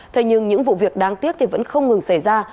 thế nhưng những vụ việc đáng tiếc thì vẫn không ngừng xảy ra